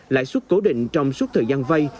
lãi suất cố định trong suốt thời gian vay